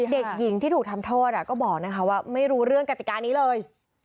เด็กหญิงที่ถูกทำโทษก็บอกนะคะว่าไม่รู้เรื่องกติกานี้เลย